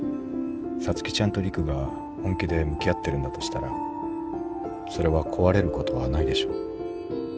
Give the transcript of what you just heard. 皐月ちゃんと陸が本気で向き合ってるんだとしたらそれは壊れることはないでしょ。